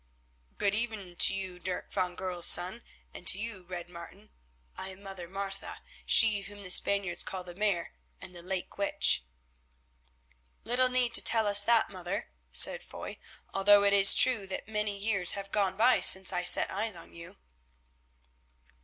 "Good even to you, Dirk van Goorl's son, and to you, Red Martin. I am Mother Martha, she whom the Spaniards call the Mare and the Lake witch." "Little need to tell us that, mother," said Foy, "although it is true that many years have gone by since I set eyes on you."